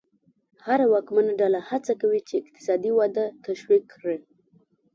هره واکمنه ډله هڅه کوي چې اقتصادي وده تشویق کړي.